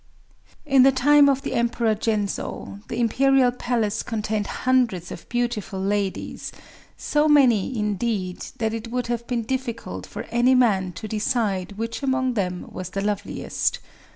"In the time of the Emperor Gensō, the Imperial Palace contained hundreds and thousands of beautiful ladies,—so many, indeed, that it would have been difficult for any man to decide which among them was the loveliest.